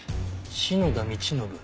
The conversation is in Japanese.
「篠田道信」